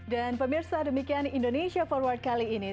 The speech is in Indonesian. dan pemirsa demikian indonesia forward kali ini